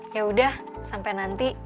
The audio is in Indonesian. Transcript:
yaudah sampai nanti